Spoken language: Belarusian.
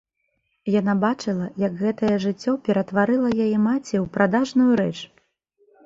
Яна бачыла, як гэтае жыццё ператварыла яе маці ў прадажную рэч.